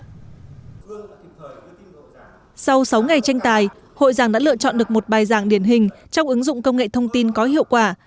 giảng đã lựa chọn được một bài giảng điển hình trong ứng dụng công nghệ thông tin có hiệu quả